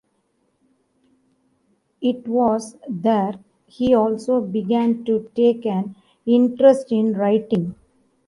It was there he also began to take an interest in writing.